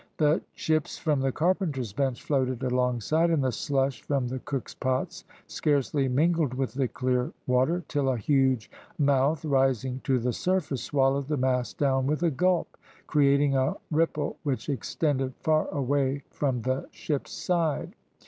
The chips from the carpenter's bench floated alongside, and the slush from the cook's pots scarcely mingled with the clear water, till a huge mouth rising to the surface swallowed the mass down with a gulp, creating a ripple which extended far away from the ship's side.